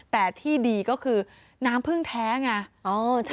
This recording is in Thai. แต่ที่ดีก็คือน้ำพึ่งแท้ไง